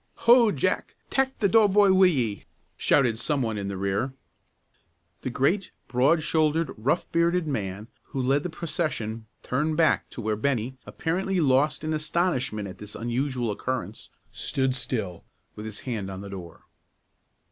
"Ho, Jack, tak' the door boy wi' ye!" shouted some one in the rear. The great, broad shouldered, rough bearded man who led the procession turned back to where Bennie, apparently lost in astonishment at this unusual occurrence, still stood, with his hand on the door.